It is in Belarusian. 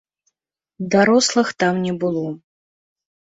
Дарослых там не было.